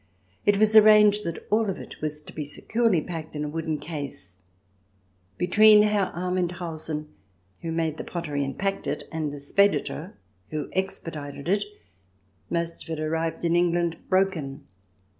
It was arranged that all of it was to be securely packed in a wooden case. Between Herr Amendhausen, who made the pottery and packed it, and the Speditor, who expedited it, most of it arrived in England broken.